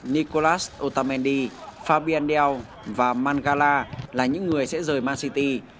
nicolas otamendi fabian del và mangala là những người sẽ rời man city